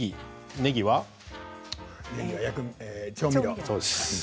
ねぎは調味料。